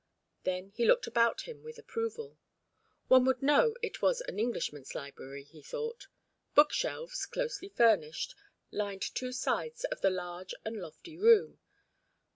Then he looked about him with approval. One would know it was an Englishman's library, he thought. Book shelves, closely furnished, lined two sides of the large and lofty room.